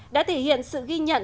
đã thể hiện sự ghi nhận